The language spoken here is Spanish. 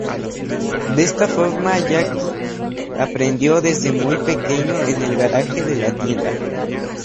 De esta forma, Jackie aprendió desde muy pequeño en el garaje de la tienda.